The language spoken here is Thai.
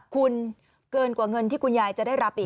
คุณเกินกว่าเงินที่คุณยายจะได้รับอีก